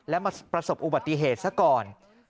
และมาประสบอุบัติเหตุซะก่อน